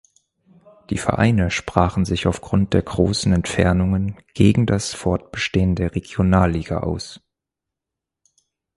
Die Vereine sprachen sich aufgrund der großen Entfernungen gegen das Fortbestehen der Regionalliga aus.